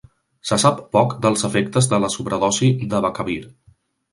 Se sap poc dels efectes de la sobredosi d"Abacavir.